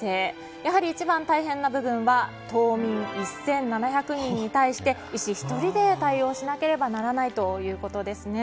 やはり一番大変な部分は島民１７００人に対して医師１人で対応しなければならないということですね。